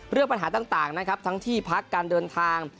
เรื่องปัญหาต่างนะครับทั้งที่พักการเดินทาง